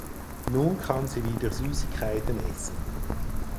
Nun kann sie wieder Süßigkeiten essen.